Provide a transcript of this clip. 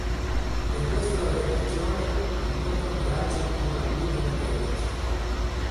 Per questo la religione comporta un raggio più ampio della teologia.